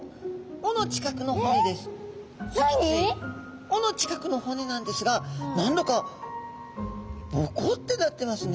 尾の近くの骨なんですが何だかボコッてなってますね。